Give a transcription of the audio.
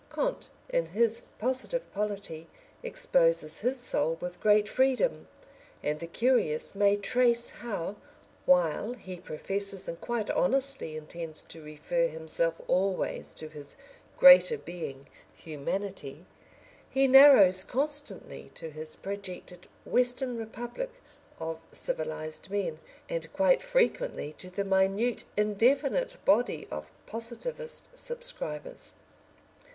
Comte, in his Positive Polity, exposes his soul with great freedom, and the curious may trace how, while he professes and quite honestly intends to refer himself always to his "Greater Being" Humanity, he narrows constantly to his projected "Western Republic" of civilised men, and quite frequently to the minute indefinite body of Positivist subscribers.